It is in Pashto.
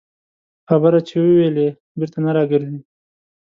خبره چې ووېلې، بېرته نه راګرځي